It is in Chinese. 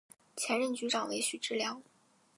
前任局长为许志梁。